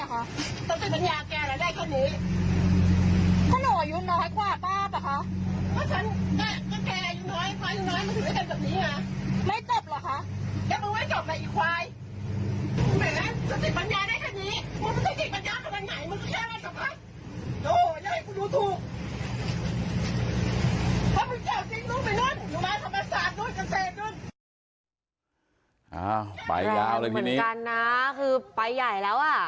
คือปลายใหญ่แล้วอ่ะ